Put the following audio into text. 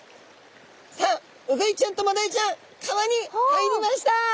さあウグイちゃんとマダイちゃん川に入りました。